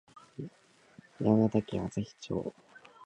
山形県朝日町